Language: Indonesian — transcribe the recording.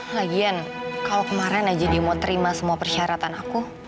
lagian kalau kemarin aja dia mau terima semua persyaratan aku